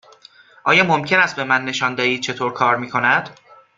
آیا ممکن است به من نشان دهید چطور کار می کند؟